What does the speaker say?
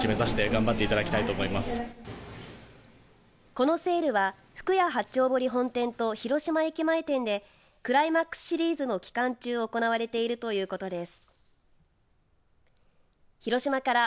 このセールは福屋八丁堀本店と広島駅前店でクライマックスシリーズの期間中行われているということです。